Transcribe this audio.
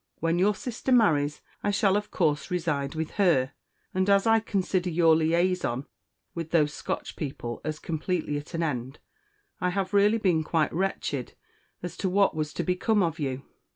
When your sister marries, I shall, of course, reside with her; and as I consider your _liaison _with those Scotch people as completely at an end, I have really been quite wretched as to what was to become of you.